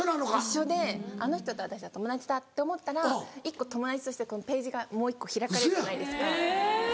一緒であの人と私は友達だって思ったら友達としてページがもう１個開かれるじゃないですか。